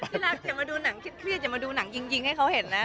ที่รักอย่ามาดูหนังที่พี่อย่ามาดูหนังยิงให้เขาเห็นนะ